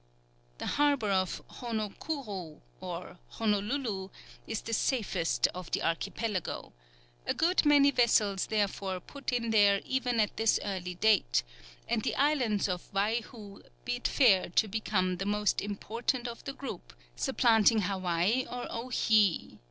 The harbour of Hono kourou or Honolulu is the safest of the archipelago; a good many vessels therefore put in there even at this early date, and the island of Waihou bid fair to become the most important of the group, supplanting Hawaii or Owhyee.